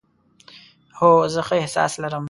هو، زه ښه احساس لرم